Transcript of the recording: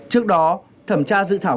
trước đó thẩm tra dự thảo